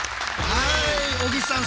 はい小木さん